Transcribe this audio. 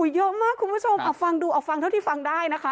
เยอะมากคุณผู้ชมเอาฟังดูเอาฟังเท่าที่ฟังได้นะคะ